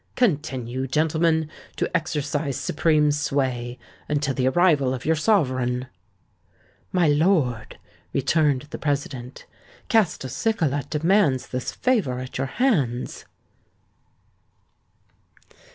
Continue, gentlemen, to exercise supreme sway, until the arrival of your sovereign." "My lord," returned the President, "Castelcicala demands this favour at your hands."